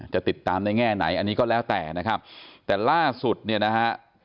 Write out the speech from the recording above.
จะติดตามได้แง่ไหนอันนี้ก็แล้วแต่นะครับแต่ล่าสุดเนี่ยนะฮะ